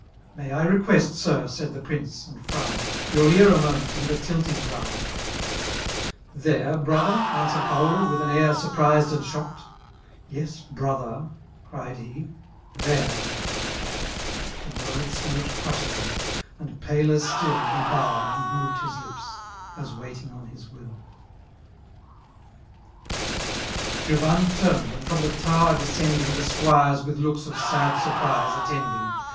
" May I requeet, sir/' said tbe pnoee, and txoimBi^ *' Your ear a momeat ia the tilting gnmnd V* *' TherCf Inrolher V* answered Paido^ wkh aa air Surprised and shocked. '' Yes^ brother;'* cried hew '* these." The word smote crushug^y; and paler stilly He bowed/ and moved his lips^ aa waging onhis w3l> Giovanni turned^ and from the tower descending. The squires, with looks of sad surprise, attending.